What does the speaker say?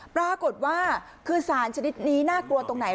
ปรากฏว่าคือสารชนิดนี้น่ากลัวตรงไหน